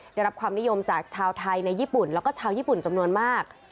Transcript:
ได้รับความนิยมจากชาวไทยในญี่ปุ่นแล้วก็ชาวญี่ปุ่นจำนวนมาก